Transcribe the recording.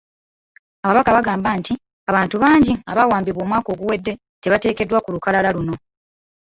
Ababaka bagamba nti abantu bangi abaawambibwa omwaka oguwedde tebateekeddwa ku lukalala luno.